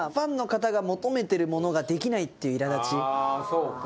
そうか。